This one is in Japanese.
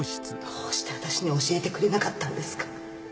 どうして私に教えてくれなかったんですか！？